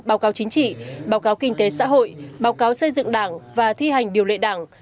báo cáo chính trị báo cáo kinh tế xã hội báo cáo xây dựng đảng và thi hành điều lệ đảng